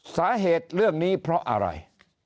สาเหตุเรื่องนี้เพราะอะไร